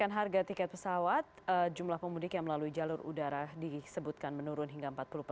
enaknya pesawat memang lebih gampang